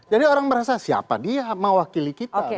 jadi orang merasa siapa dia mewakili kita